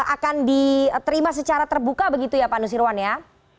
akan diterima secara terbuka begitu ya pak nusirwan ya